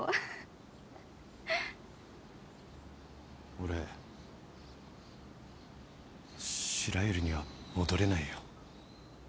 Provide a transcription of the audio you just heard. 俺白百合には戻れないよ。